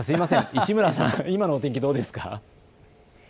市村さん、今のお天気どうですか。